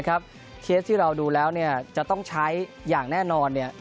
เคสที่เราดูแล้วจะต้องใช้อย่างแน่นอน